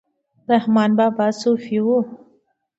رحمان بابا صوفي و